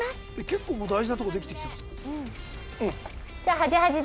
「結構大事なとこできてきてますよ」